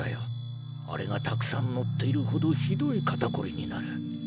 あれがたくさんのっているほどひどい肩こりになる。